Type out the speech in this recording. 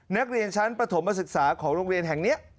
นักเรียนชั้นประถมศึกษาของโรงเรียนแห่งนี้